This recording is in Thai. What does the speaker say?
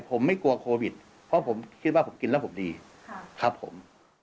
ผมไม่กลัวโควิดเพราะผมคิดว่าผมกินแล้วผมดีครับผม